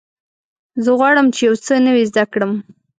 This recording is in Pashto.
زه غواړم چې یو څه نوی زده کړم.